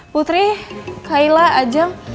putri kaila ajang